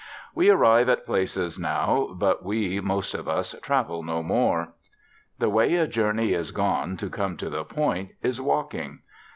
"We arrive at places now, but we" (most of us) "travel no more." The way a journey is gone, to come to the point, is walking.